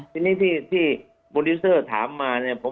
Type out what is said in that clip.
ทีนี้ที่โปรดิวเซอร์ถามมาเนี่ย